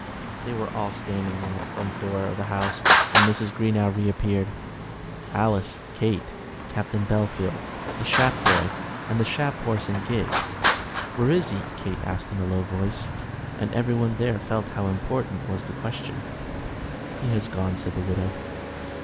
They were all standing at the front door of the house when Mrs. Greenow re appeared, Alice, Kate, Captain Bellfield, the Shap boy, and the Shap horse and gig. "Where is he?" Kate asked in a low voice, and everyone there felt how important was the question. "He has gone," said the widow.